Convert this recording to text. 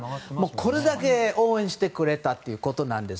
これだけ応援してくれたということなんです。